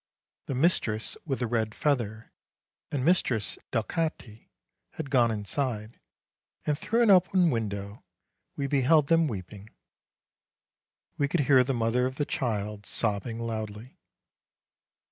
The mistress with the red feather and Mistress Delcati had gone inside, and through an open window we beheld them weeping. We could hear the mother of the child sobbing loudly.